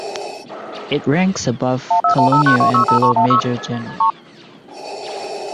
It ranks above colonel and below major general.